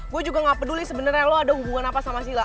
gue juga gak peduli sebenarnya lo ada hubungan apa sama sila